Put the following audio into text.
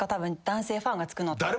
男性ファンがつくのって。